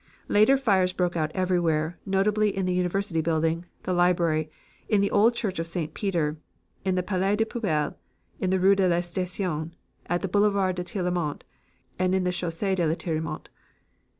Later fires broke out everywhere, notably in the University building, the Library, in the old Church of St. Peter, in the Place du Peuple, in the Rue de la Station, in the Boulevard de Tirlemont, and in the Chaussee de Tirlemont.